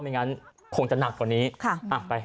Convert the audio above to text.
ไม่งั้นคงจะหนักกว่านี้ไป